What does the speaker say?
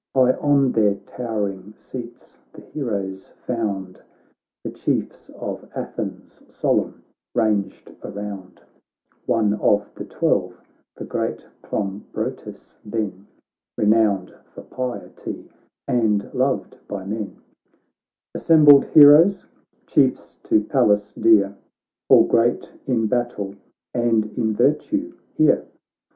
High on their towering seats, the heroes found The Chiefs of Athens solemn ranged around ; One of the twelve, the great Clombrotus, then, Renowned for piety, and loved by men : 'Assembled heroes, Chiefs to Pallas dear, Ml great in battle and in virtue, hear !